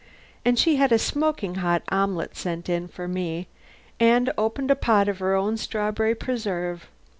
And she had a smoking hot omelet sent in for me, and opened a pot of her own strawberry preserve.